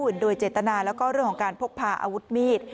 โดยเจตนาแล้วก็เรื่องของการพกพาอาวุธมีด